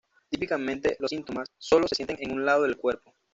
Típicamente, los síntomas sólo se sienten en un lado del cuerpo.